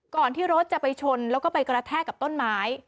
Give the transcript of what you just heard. ที่รถจะไปชนแล้วก็ไปกระแทกกับต้นไม้